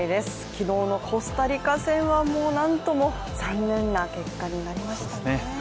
昨日のコスタリカ戦は何とも残念な結果になりましたね。